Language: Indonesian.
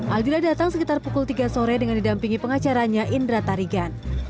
albila datang sekitar pukul tiga sore dengan didampingi pengacaranya indra tarigan